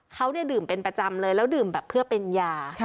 เขาดื่มเป็นประจำเลยแล้วดื่มแบบเพื่อเป็นยา